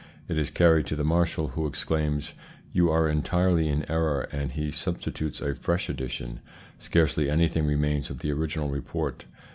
It is carried to the Marshal, who exclaims, `You are entirely in error,' and he substitutes a fresh edition. Scarcely anything remains of the original report."